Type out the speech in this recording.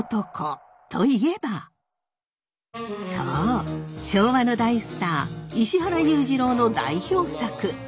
そう昭和の大スター石原裕次郎の代表作。